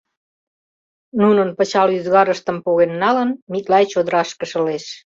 Нунын пычал ӱзгарыштым поген налын, Миклай чодырашке шылеш.